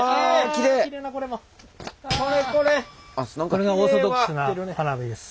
これがオーソドックスな花火です。